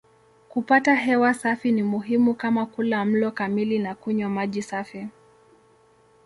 Kupata hewa safi ni muhimu kama kula mlo kamili na kunywa maji safi.